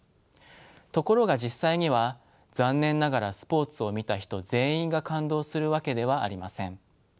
ところが実際には残念ながらスポーツを見た人全員が感動するわけではありません。